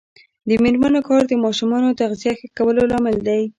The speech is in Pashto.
د میرمنو کار د ماشومانو تغذیه ښه کولو لامل دی.